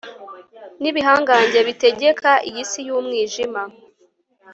nibihangange bitegeka iyi si yumwijima